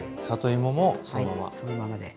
里芋もそのまま。